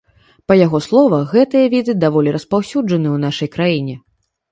Па яго словах, гэтыя віды даволі распаўсюджаныя ў нашай краіне.